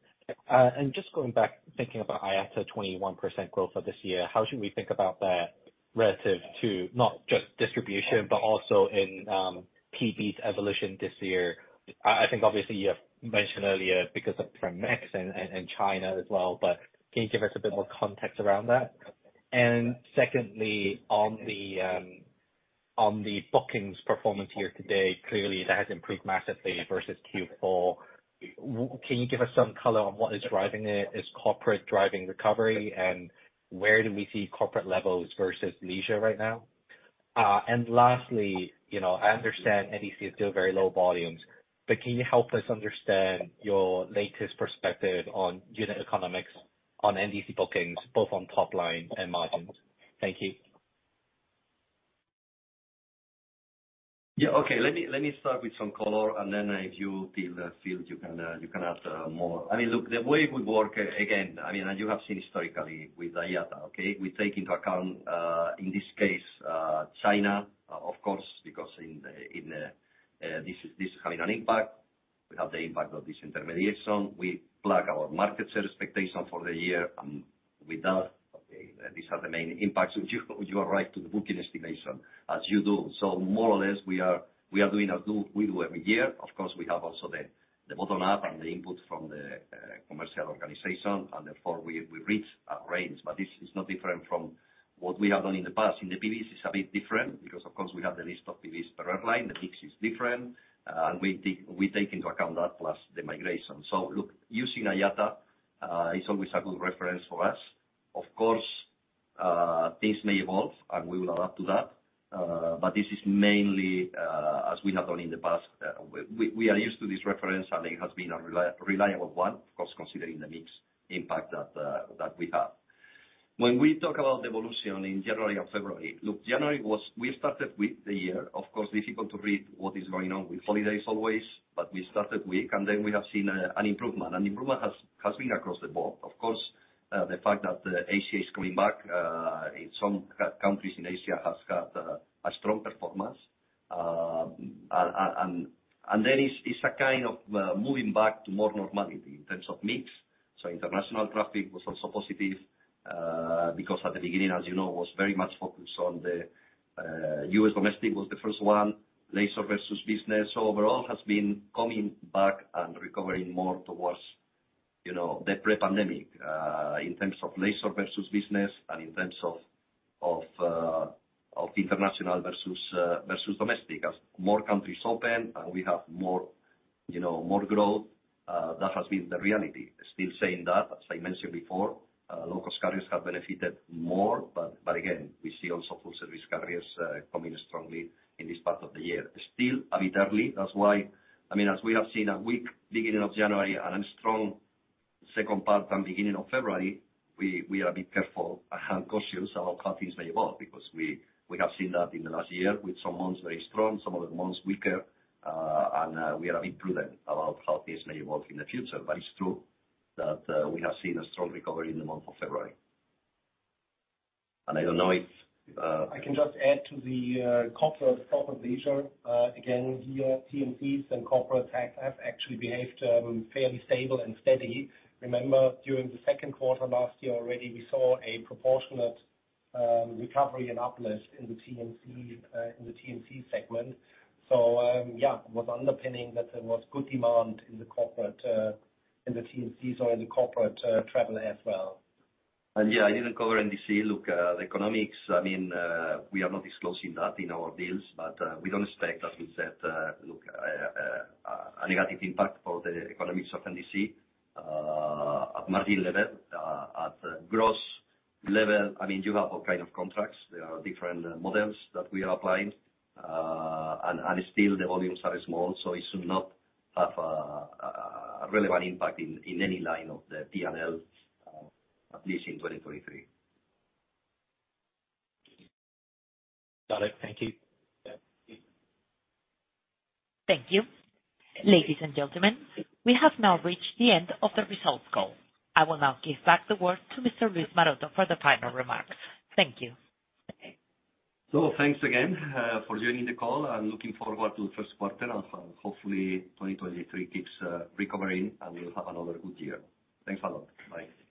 Just going back thinking about IATA 21% growth for this year, how should we think about that relative to not just distribution, but also in PBE's evolution this year. I think obviously you have mentioned earlier because of the Max and China as well, but can you give us a bit more context around that? Secondly, on the bookings performance year-to-date, clearly that has improved massively versus Q4. Can you give us some color on what is driving it? Is corporate driving recovery? Where do we see corporate levels versus leisure right now? Lastly, you know, I understand NDC is still very low volumes, but can you help us understand your latest perspective on unit economics on NDC bookings, both on top line and margins? Thank you. Okay. Let me start with some color, then if you feel you can add more. I mean, look, the way we work again, I mean, you have seen historically with IATA, okay? We take into account in this case China, of course, because in the this is having an impact. We have the impact of disintermediation. We plug our market share expectation for the year. With that, okay, these are the main impacts. You arrive to the booking estimation as you do. More or less we are doing as we do every year. Of course, we have also the bottom up and the input from the commercial organization. Therefore we reach a range. This is not different from what we have done in the past. In the PBs, it's a bit different because, of course, we have the list of PBs per airline. The mix is different, and we take into account that plus the migration. Look, using IATA is always a good reference for us. Of course, things may evolve, and we will adapt to that, this is mainly as we have done in the past. We are used to this reference, and it has been a reliable one, of course, considering the mix impact that we have. When we talk about evolution in January and February, look, January was... We started with the year, of course, difficult to read what is going on with holidays always, but we started weak, and then we have seen an improvement. Improvement has been across the board. Of course, the fact that Asia is coming back in some countries in Asia has got a strong performance. And it's a kind of moving back to more normality in terms of mix. International traffic was also positive, because at the beginning, as you know, was very much focused on the U.S. domestic was the first one. Leisure versus business overall has been coming back and recovering more towards, you know, the pre-pandemic, in terms of leisure versus business and in terms of international versus domestic. As more countries open and we have more, you know, more growth, that has been the reality. Still saying that, as I mentioned before, low-cost carriers have benefited more, but again, we see also full service carriers coming strongly in this part of the year. Still a bit early, that's why, I mean, as we have seen a weak beginning of January and a strong second part and beginning of February, we are a bit careful and cautious about how things may evolve because we have seen that in the last year with some months very strong, some of the months weaker, and we are a bit prudent about how this may evolve in the future. It's true that we have seen a strong recovery in the month of February. I don't know if. I can just add to the corporate top of leisure. again, your TMCs and corporate have actually behaved, fairly stable and steady. Remember, during the second quarter last year already, we saw a proportionate recovery and uplift in the TMC segment. Was underpinning that there was good demand in the corporate, in the TMCs or in the corporate travel as well. Yeah, I didn't cover NDC. Look, the economics, I mean, we are not disclosing that in our deals, but we don't expect, as we said, look, a negative impact for the economics of NDC at margin level. At gross level, I mean, you have all kind of contracts. There are different models that we are applying, and still the volumes are small, so it should not have a relevant impact in any line of the P&L, at least in 2023. Got it. Thank you. Yeah. Thank you. Ladies and gentlemen, we have now reached the end of the results call. I will now give back the word to Mr. Luis Maroto for the final remarks. Thank you. Thanks again for joining the call. I'm looking forward to the first quarter and hopefully 2023 keeps recovering, and we'll have another good year. Thanks a lot. Bye.